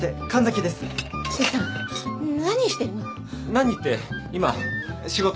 何って今仕事。